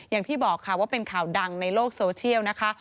อย่างที่บอกค่ะว่าเป็นข่าวดังในโลกโซเชียลนะคะ